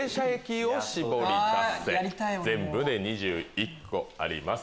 全部で２１個あります。